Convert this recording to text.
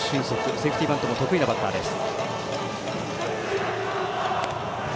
セーフティーバントも得意なバッターです。